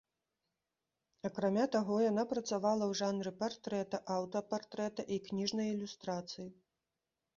Акрамя таго, яна працавала ў жанры партрэта, аўтапартрэта і кніжнай ілюстрацыі.